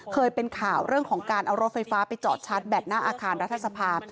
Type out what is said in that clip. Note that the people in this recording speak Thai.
เคยเป็นข่าวเรื่องของการเอารถไฟฟ้าไปจอดชาร์จแบตหน้าอาคารรัฐสภาพ